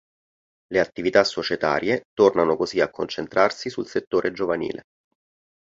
Le attività societarie tornano così a concentrarsi sul settore giovanile.